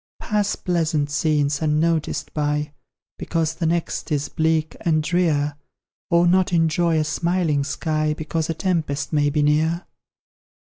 Pass pleasant scenes unnoticed by, Because the next is bleak and drear; Or not enjoy a smiling sky, Because a tempest may be near?